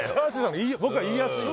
僕は言いやすい。